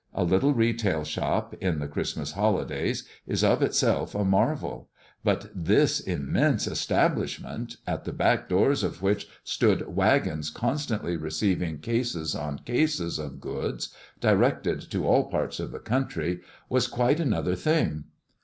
A little retail shop, in the Christmas holidays, is of itself a marvel; but this immense establishment, at the back doors of which stood wagons constantly receiving cases on cases of goods directed to all parts of the country, was quite another thing.